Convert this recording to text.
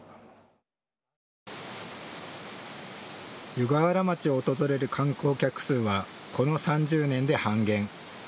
湯河原町を訪れる観光客数はこの３０年で半減。